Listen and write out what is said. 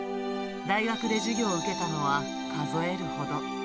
大学で授業を受けたのは数えるほど。